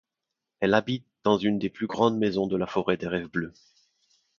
Elle habite dans une des plus grandes maisons de la Forêt des rêves bleus.